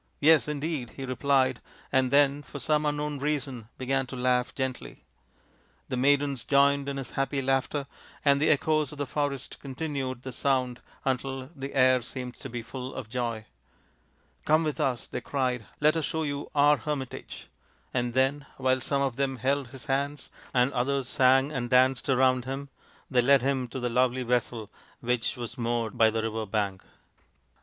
Yes, indeed, 55 he replied, and then for some unknown reason began to laugh gently. The maidens joined in his happy laughter, and the echoes of the forest continued the sound until the air seemed to be full of joy. " Come with us," they cried. " Let us show you our hermit age;" and then, while some of them held his hands, and others sang and danced around him, they led him to the lovely vessel which was moored by the river bank.